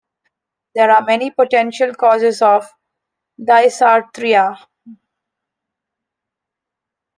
There are many potential causes of dysarthria.